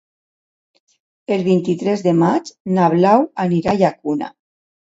El vint-i-tres de maig na Blau anirà a la Llacuna.